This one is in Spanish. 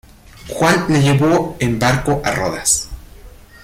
Juan le llevó en barco a Rodas.